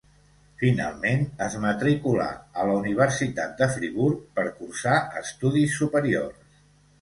Finalment es matriculà a la Universitat de Friburg per cursar estudis superiors.